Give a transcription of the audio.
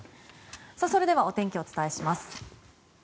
それではお天気をお伝えします。